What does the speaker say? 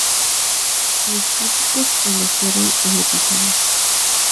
Los críticos elogiaron el episodio.